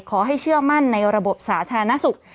เชื่อมั่นในระบบสาธารณสุข